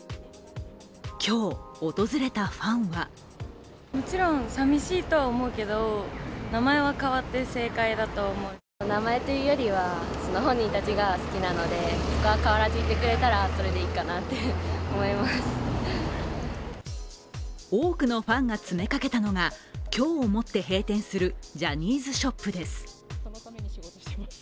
今日訪れたファンは多くのファンが詰めかけたのが、今日をもって閉店するジャニーズショップです。